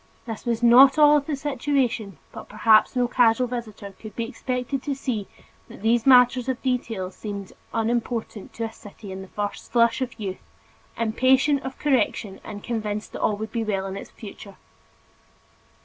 This was not all of the situation but perhaps no casual visitor could be expected to see that these matters of detail seemed unimportant to a city in the first flush of youth, impatient of correction and convinced that all would be well with its future.